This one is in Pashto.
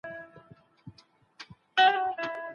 دوی مذهب د خپلي ګټې لپاره کاروي.